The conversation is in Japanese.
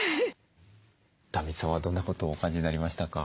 壇蜜さんはどんなことをお感じになりましたか？